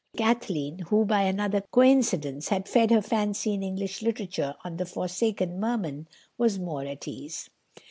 Kathleen who, by another coincidence, had fed her fancy in English literature on the "Forsaken Merman" was more at ease.